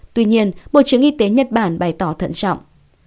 tuy nhiên bộ trưởng y tế nhật bản bày tỏ thận trọng